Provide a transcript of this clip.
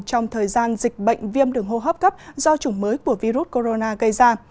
trong thời gian dịch bệnh viêm đường hô hấp cấp do chủng mới của virus corona gây ra